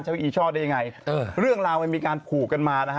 ว่าอีช่อได้ยังไงเออเรื่องราวมันมีการผูกกันมานะฮะ